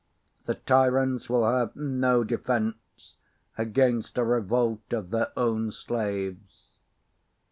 The tyrants will have no defense against a revolt of their own slaves.